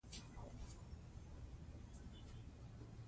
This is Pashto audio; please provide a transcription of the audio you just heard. ښوونځي د ګاونډیانو ترمنځ احترام راولي.